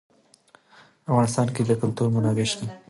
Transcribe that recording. په افغانستان کې د کلتور منابع شته.